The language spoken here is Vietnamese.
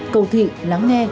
cầu thị lắng nghe